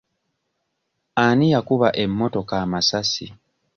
Ani yakuba emmotoka amasasi?